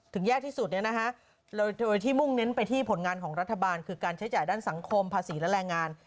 แย่ที่สุดเนี่ยนะคะโดยที่มุ่งเน้นไปที่ผลงานของรัฐบาลคือการใช้จ่ายด้านสังคมภาษีและแรงงาน